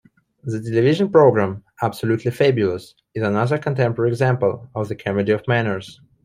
The television program "Absolutely Fabulous" is another contemporary example of the comedy of manners.